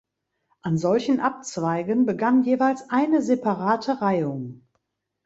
An solchen Abzweigen begann jeweils eine separate Reihung.